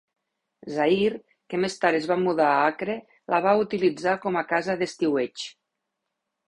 Zahir, que més tard es va mudar a Acre, la va utilitzar com a casa d'estiueig.